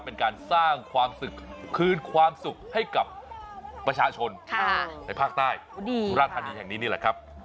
เป็นการสร้างความสุขคืนความสุขให้กับประชาชนในภาคใต้สุราธานีแห่งนี้นี่แหละครับ